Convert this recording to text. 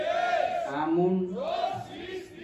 آمُونگ